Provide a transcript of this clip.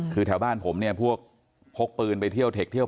คือแถวบ้านผมพวกพกปืนไปเทียวเผล็ดเท็กโผล่